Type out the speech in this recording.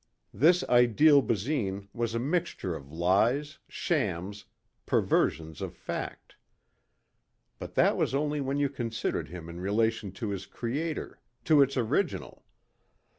This ideal Basine was a mixture of lies, shams, perversions of fact. But that was only when you considered him in relation to his creator to its original.